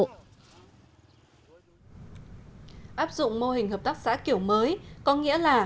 áp dụng mô hình hợp tác xã kiểu mới có nghĩa là